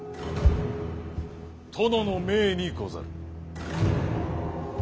殿の命にござる。